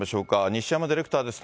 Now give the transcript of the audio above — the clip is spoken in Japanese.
西山ディレクターです。